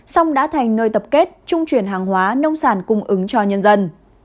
xong đã thành nơi tập kết trung truyền hàng hóa nông sản cung ứng cho nhân dân